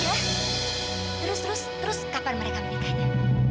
terus terus terus kapan mereka menikahnya